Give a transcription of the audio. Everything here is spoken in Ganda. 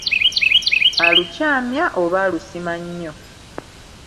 Alukyamya oba alusima nnyo?